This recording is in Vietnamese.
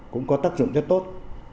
cũng có tác dụng rất tốt